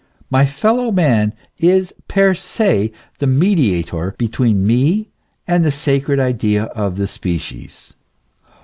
My fellow man is per se, the mediator between me and the sacred idea of the species.